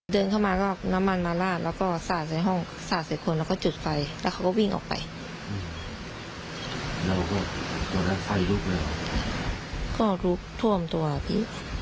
เธอเมาหรือเขาต้องการอะไร